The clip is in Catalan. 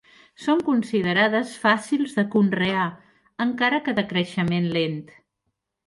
Són considerades fàcils de conrear encara que de creixement lent.